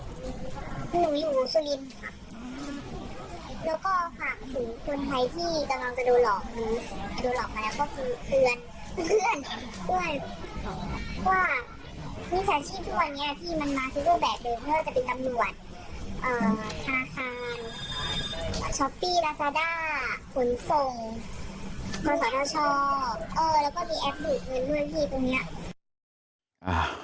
แล้วก็มีแอปบิ๊กเหมือนพี่ตรงนี้